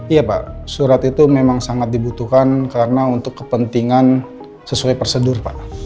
iya pak surat itu memang sangat dibutuhkan karena untuk kepentingan sesuai prosedur pak